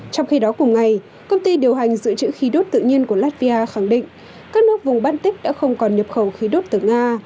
trong khi đó cùng ngày công ty điều hành dự trữ khí đốt tự nhiên của latvia khẳng định các nước vùng baltic đã không còn nhập khẩu khí đốt từ nga